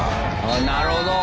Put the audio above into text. なるほど。